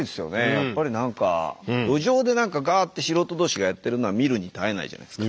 やっぱり何か路上でガッて素人同士がやってるのは見るに堪えないじゃないですか。